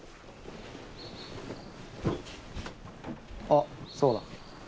あそうだ。